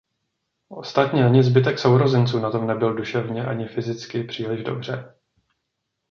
Ostatně ani zbytek sourozenců na tom nebyl duševně ani fyzicky příliš dobře.